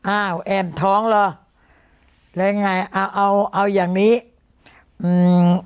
อ้าวแอนท้องเหรอแล้วไงอ่าเอาเอาอย่างนี้อืม